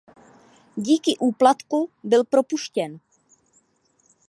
Díky úplatku byl propuštěn.